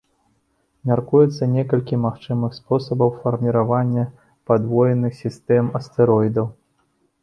Мяркуецца некалькі магчымых спосабаў фарміравання падвойных сістэм астэроідаў.